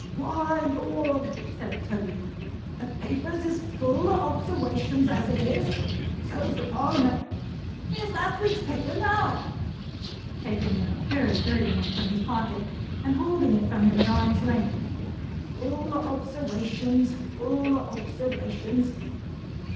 "Why! Lord!" said Toby. "The Papers is full of obserwations as it is; and so's the Parliament. Here's last week's paper, now;" taking a very dirty one from his pocket, and holding it from him at arm's length; "full of obserwations! Full of obserwations!